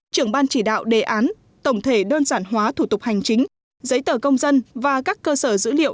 trưởng ban chỉ đạo đề án tổng thể đơn giản hóa thủ tục hành chính giấy tờ công dân và các cơ sở dữ liệu